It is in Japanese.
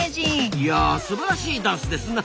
いやすばらしいダンスですな！